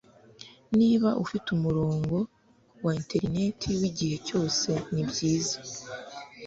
Niba ufite umurongo wa interineti wigihe cyose nibyiza,